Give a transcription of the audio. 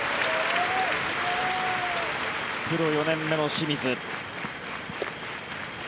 プロ４年目の清水。